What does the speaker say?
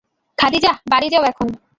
খাদিজাহ, বাড়ি যাও এখন।